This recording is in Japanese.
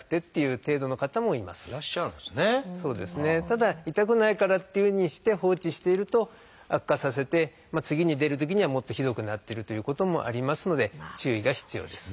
ただ痛くないからっていうふうにして放置していると悪化させて次に出るときにはもっとひどくなってるということもありますので注意が必要です。